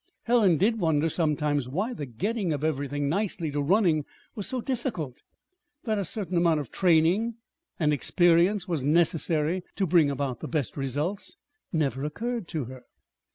Helen did wonder sometimes why the getting of "everything nicely to running" was so difficult. That a certain amount of training and experience was necessary to bring about the best results never occurred to her.